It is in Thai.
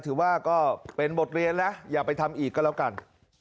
ถือว่าเป็นบทเรียนแล้วอย่าไปทำอีกก็แล้วกัน